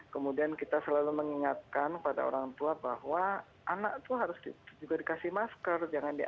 kemudian kita selalu mengingatkan kepada orang tua bahwa anak itu harus juga dikasih masker